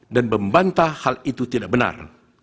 dan membantah hal itu tidak benar